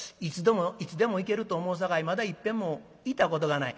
いつでも行けると思うさかいまだいっぺんも行ったことがない」。